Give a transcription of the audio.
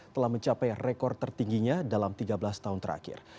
telah mencapai rekor tertingginya dalam tiga belas tahun terakhir